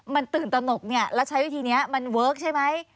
มันตื่นตนกเนี่ยแล้วใช้วิธีนี้มันเวิร์คใช่ไหม